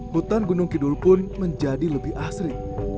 hutan gunung kidul pun menjadi lebih asri